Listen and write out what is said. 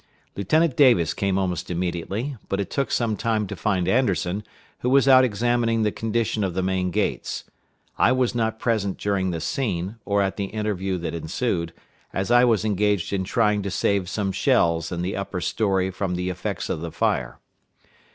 Lieutenant Davis came almost immediately, but it took some time to find Anderson, who was out examining the condition of the main gates. I was not present during this scene, or at the interview that ensued, as I was engaged in trying to save some shells in the upper story from the effects of the fire.